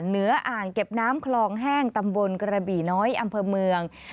อ่างเก็บน้ำคลองแห้งตำบลกระบี่น้อยอำเภอเมือง